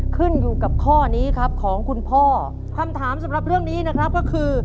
ขึ้นอยู่กับข้อนี้ครับของคุณพ่อคำถามสำหรับเรื่องนี้นะครับก็คือ